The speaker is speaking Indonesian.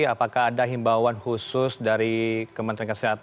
apakah ada himbauan khusus dari kementerian kesehatan